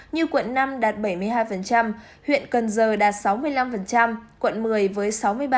như quận năm đạt bảy mươi hai huyện cần giờ đạt sáu mươi năm quận một mươi với sáu mươi ba